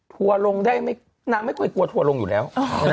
ทัวร์ลงได้ไหมนางไม่เคยกลัวทัวร์ลงอยู่แล้ว